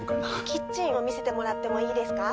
キッチンを見せてもらってもいいですか？